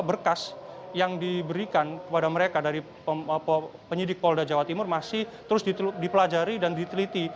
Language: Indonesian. berkas yang diberikan kepada mereka dari penyidik polda jawa timur masih terus dipelajari dan diteliti